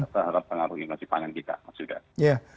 terhadap pengaruh inflasi panen kita